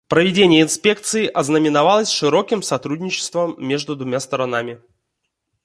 Проведение инспекции ознаменовалось широким сотрудничеством между двумя сторонами.